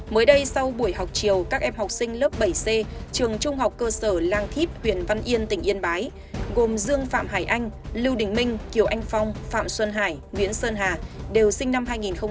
mới đây sau buổi học chiều các em học sinh lớp bảy c trường trung học cơ sở lang thíp huyện văn yên tỉnh yên bái gồm dương phạm hải anh lưu đình minh kiều anh phong phạm xuân hải nguyễn sơn hà đều sinh năm hai nghìn một mươi